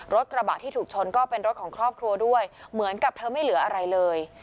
รถกระบะที่ถูกชนก็เป็นรถของครอบครัวด้วยเหมือนกับเธอไม่เหลืออะไรเลย